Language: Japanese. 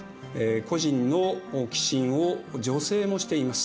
個人の寄進を女性もしています。